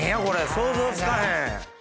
想像つかへん。